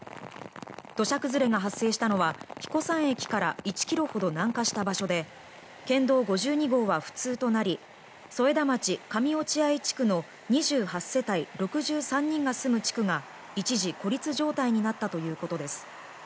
土砂崩れが発生したのは彦山駅から１ｋｍほど南下した場所で県道５２号は不通となり添田町上落合地区の２８世帯６３人が住む地区が一時、孤立状態になったということです。